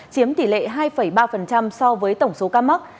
chiếm tỷ lệ hai ba so với tổng số ca mắc